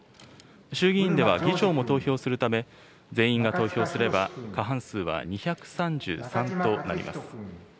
衆議院では議長も投票するため、全員が投票すれば、過半数は２３３となります。